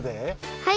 はい！